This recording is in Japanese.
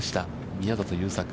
宮里優作。